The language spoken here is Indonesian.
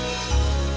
sampai jumpa di jepang